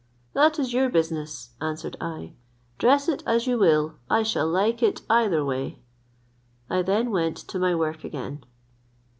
"That is your business," answered I; "dress it as you will, I shall like it either way." I then went to my work again.